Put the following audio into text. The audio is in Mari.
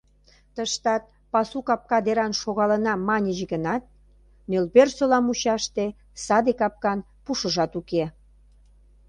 Тыштат «Пасу капка деран шогалына» маньыч гынат, Нӧлперсола мучаште саде капкан пушыжат уке.